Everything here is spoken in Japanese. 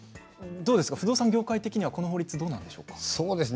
不動産業界的にはこの法律はどうなんでしょうか。